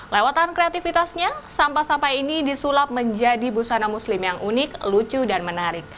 lewatan kreatifitasnya sampah sampah ini disulap menjadi busana muslim yang unik lucu dan menarik